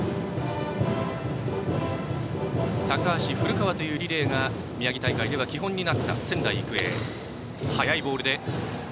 高橋、古川というリレーが宮城大会では基本になった仙台育英。